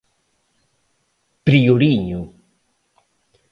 Prioriño.